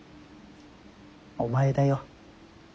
お前だよ。